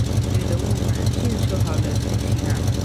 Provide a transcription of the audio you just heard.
得等我们建设好了才行啊